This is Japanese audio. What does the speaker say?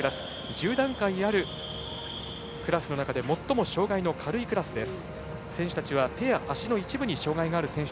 １０段階あるクラスの中で最も障がいの軽いクラスです。